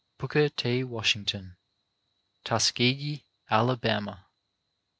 Booker T. Washington. Tuskegee, Alabama.